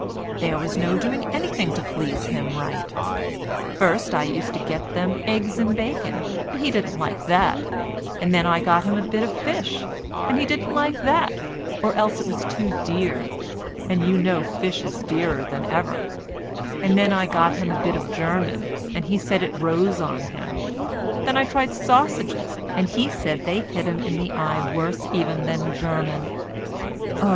There was no doing anything to please him right. First I used to get them eggs and bacon, and he didn't like that; and then I got him a bit of fish, and he didn't like that, or else it was too dear, and you know fish is dearer than ever; and then I got him a bit of German, and he said it rose on him; then I tried sausages, and he said they hit him in the eye worse even than German; oh!